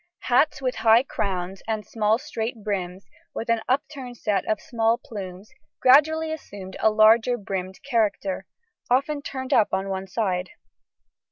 Hats with high crowns and small straight brims, with an upright set of small plumes, gradually assumed a larger brimmed character often turned up on one side.